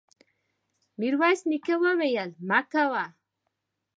ميرويس نيکه وويل: مه کوه!